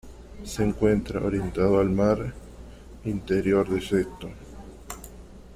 Se encuentra orientado al Mar Interior de Seto.